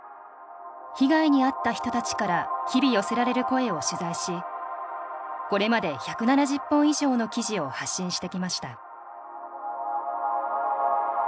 被害に遭った人たちから日々寄せられる声を取材しこれまで１７０本以上の記事を発信してきました。